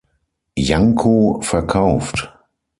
Janko" verkauft.